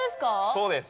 そうです。